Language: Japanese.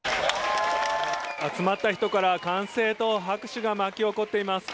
集まった人から、歓声と拍手が巻き起こっています。